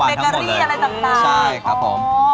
เป็นการีอะไรต่างอ๋ออ๋ออยู่ที่ของหวานทั้งหมดเลยใช่ครับผม